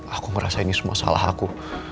aku merasa ini semua salah aku